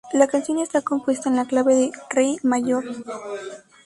La canción está compuesta en la clave de "re" mayor.